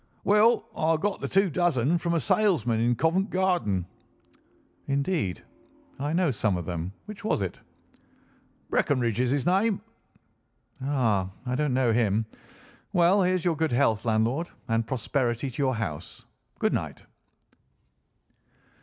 "Well, I got the two dozen from a salesman in Covent Garden." "Indeed? I know some of them. Which was it?" "Breckinridge is his name." "Ah! I don't know him. Well, here's your good health landlord, and prosperity to your house. Good night."